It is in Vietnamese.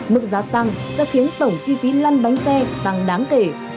mức giá tăng sẽ khiến tổng chi phí lăn bánh xe tăng đáng kể